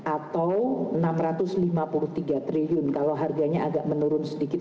atau rp enam ratus lima puluh tiga triliun kalau harganya agak menurun sedikit